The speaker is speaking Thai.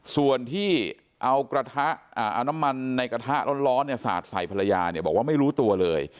ส่วนที่เอากระทะเอาน้ำมันในกระทะร้อนสาดใส่ภรรยาเนี่ยบอกว่าไม่รู้ตัวเลย